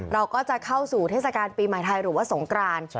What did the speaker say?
เราก็จะเข้าสู่เทศกาลปีใหม่ไทยหรือว่าสงกราน